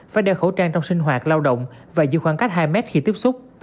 phải đeo khẩu trang trong sinh hoạt lao động và giữ khoảng cách hai mét khi tiếp xúc